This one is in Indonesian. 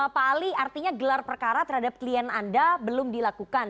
pak ali artinya gelar perkara terhadap klien anda belum dilakukan